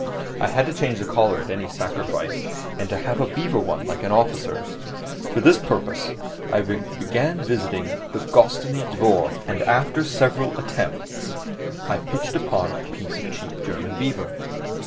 I had to change the collar at any sacrifice, and to have a beaver one like an officer's. For this purpose I began visiting the Gostiny Dvor and after several attempts I pitched upon a piece of cheap German beaver.